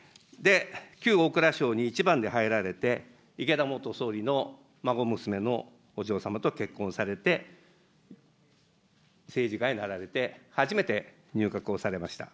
旧大蔵省に一番で入られて、いけだ元総理の孫娘のお嬢様と結婚されて、政治家になられて、初めて入閣をされました。